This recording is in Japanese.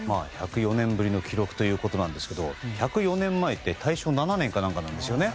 １０４年ぶりの記録ということなんですが１０４年前って大正７年かなんかですよね。